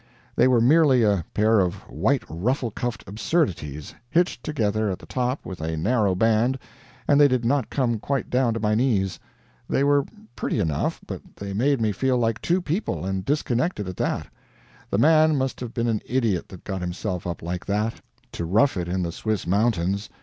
They were merely a pair of white ruffle cuffed absurdities, hitched together at the top with a narrow band, and they did not come quite down to my knees. They were pretty enough, but they made me feel like two people, and disconnected at that. The man must have been an idiot that got himself up like that, to rough it in the Swiss mountains.